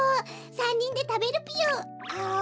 ３にんでたべるぴよあむ。